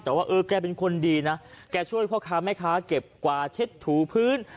แต่ว่าเออแกเป็นคนดีนะแกช่วยพ่อค้าแม่ค้าเก็บกวาดเช็ดถูพื้น